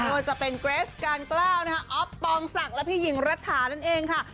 ว่าจะเป็นเกรสการกล้าวนะคะอ๊อฟปองศักดิ์และพี่หญิงรัฐานั่นเองค่ะ